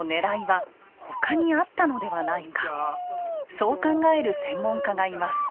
そう考える専門家がいます。